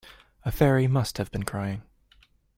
A fairy must have been crying.